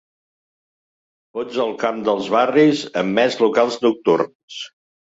Fots el camp dels barris amb més locals nocturns.